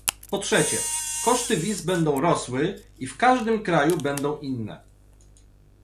Po trzecie, koszty wiz będą rosły i w każdym kraju będą inne